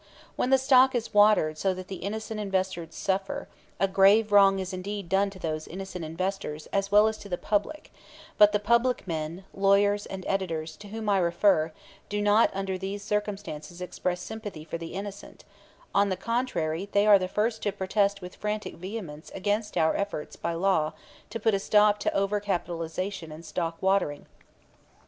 When the stock is watered so that the innocent investors suffer, a grave wrong is indeed done to these innocent investors as well as to the public; but the public men, lawyers and editors, to whom I refer, do not under these circumstances express sympathy for the innocent; on the contrary they are the first to protest with frantic vehemence against our efforts by law to put a stop to over capitalization and stock watering.